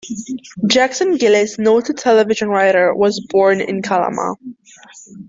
Jackson Gillis, noted television writer, was born in Kalama.